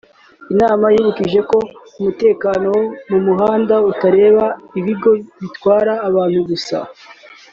Inama yibukije ko umutekano wo mu muhanda utareba ibigo bitwara abantu gusa